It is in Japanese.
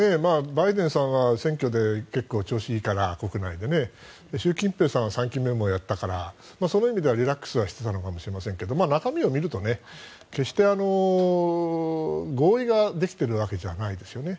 バイデンさんは選挙で結構国内で調子いいから習近平さんは３期目もやったからその意味ではリラックスしてたのかもしれませんが中身を見ると、決して合意ができているわけじゃないですね。